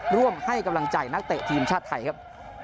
ร่วมให้กำลังใจนักเตะทีมชาติไทยครับ